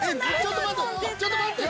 ちょっと待って！